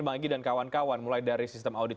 bang egy dan kawan kawan mulai dari sistem audit